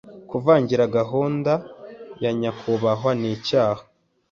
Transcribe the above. kuvangira gahunda ya Nyakubahwa ni cyaha